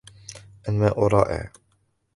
الماء رائع